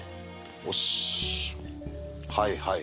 よしはいはい。